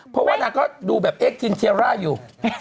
เพราะว่านางก็ดูแบบเอ็กทีนเทียร่าอยู่